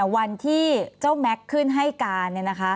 วันที่เจ้าแม็กซ์ขึ้นให้การ